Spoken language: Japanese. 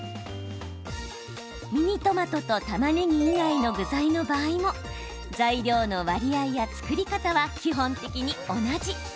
ミニトマトとたまねぎ以外の具材の場合も材料の割合や造り方は基本的に同じ。